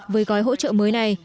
với gói hỗ trợ mới này